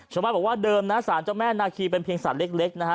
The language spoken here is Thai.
ฉันบอกว่าเดิมนะฮะสารเจ้าแม่นาคีเป็นเพียงสัตว์เล็กนะฮะ